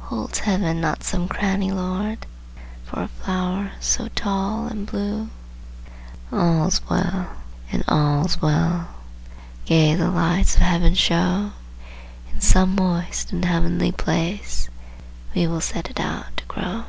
"Holds Heaven not some cranny, Lord, For a flower so tall and blue?" All's well and all's well! Gay the lights of Heaven show! In some moist and Heavenly place We will set it out to grow.